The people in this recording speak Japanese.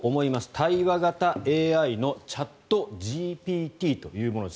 対話型ＡＩのチャットＧＰＴというものです。